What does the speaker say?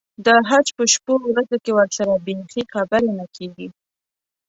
د حج په شپو ورځو کې ورسره بیخي خبرې نه کېږي.